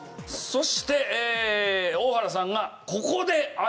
そして大原さんがここであいみょん。